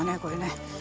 これね。